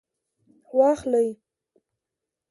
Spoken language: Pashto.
واخلئ